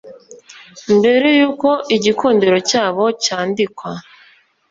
mbere yuko igikundiro cyabo cyandikwa